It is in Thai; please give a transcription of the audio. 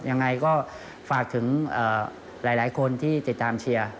ยังไงก็ฝากถึงหลายคนที่ติดตามเชียร์